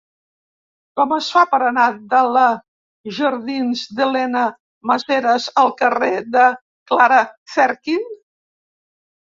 Com es fa per anar de la jardins d'Elena Maseras al carrer de Clara Zetkin?